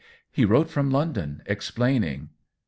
He wrote from London, explaining."